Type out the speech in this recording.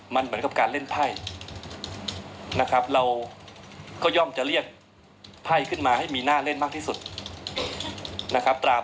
มันเหมือนกับการเล่นไพ่นะครับเราก็ย่อมจะเรียกไพ่ขึ้นมาให้มีหน้าเล่นมากที่สุดนะครับ